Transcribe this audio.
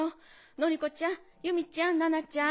典子ちゃん由美ちゃん奈々ちゃん